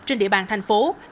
trên địa bàn thành phố